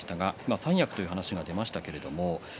三役という話が出ました。